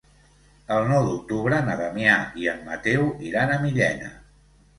El nou d'octubre na Damià i en Mateu iran a Millena.